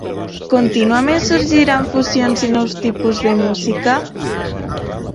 Contínuament sorgiran fusions i nous tipus de música?